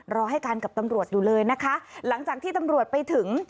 รอให้การกับตำรวจอยู่เลยนะคะหลังจากที่ตำรวจไปถึง